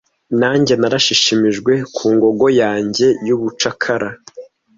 nanjye narashimishijwe ku ngogo yanjye y'ubucakara